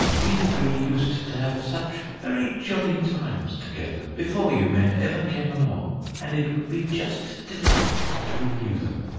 We three used to have some very jolly times together before you men ever came along, and it would be just delightful to renew them.